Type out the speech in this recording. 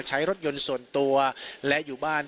ใช้รถยนต์ส่วนตัวและอยู่บ้าน